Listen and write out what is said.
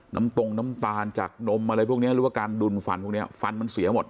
ตรงน้ำตาลจากนมอะไรพวกนี้หรือว่าการดุลฟันพวกเนี้ยฟันมันเสียหมด